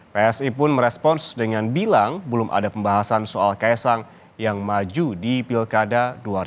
psi pun merespons dengan bilang belum ada pembahasan soal kaisang yang maju di pilkada dua ribu tujuh belas